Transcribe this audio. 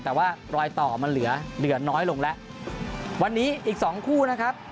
แต่ว่ารอยต่อมันเหลือเหลือน้อยลงแล้ววันนี้อีกสองคู่นะครับ